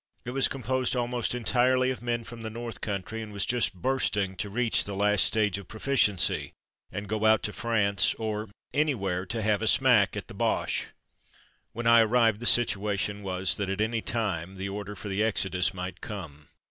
It was composed almost entirely of men from the north country, and was just bursting to reach the last stage of proficiency and go out to France or anywhere, to have a smack at the Boches. When I arrived, the situation was that at any time the order for the exodus might come.